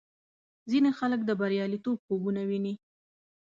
ځینې خلک د بریالیتوب خوبونه ویني.